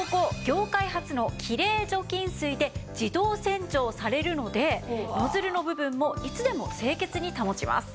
業界初の「きれい除菌水」で自動洗浄されるのでノズルの部分もいつでも清潔に保ちます。